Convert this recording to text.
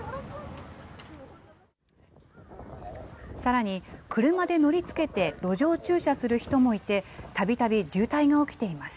さらに、車で乗りつけて、路上駐車する人もいて、たびたび渋滞が起きています。